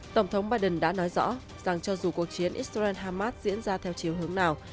tổng thống biden đã nói rõ rằng cho dù cuộc chiến israel hamas diễn ra theo chiều hướng nào